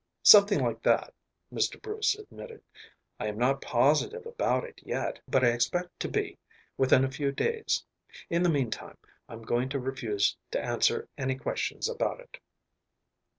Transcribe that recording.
"Something like that," Mr. Bruce admitted. "I am not positive about it yet, but I expect to be within a few days. In the meantime, I'm going to refuse to answer any questions about it."